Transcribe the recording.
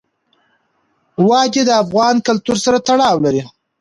وادي د افغان کلتور سره تړاو لري.